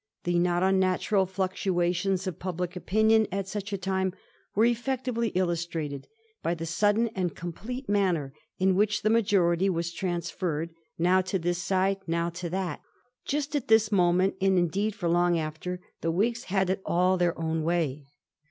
The not unnatural fluctua tions of public opinion at such a time are effectively illustrated by the sudden and complete manner in which the majority was transferred, now to this side, now to that. Just at this moment, and indeed for long after, the Whigs had it all their own way.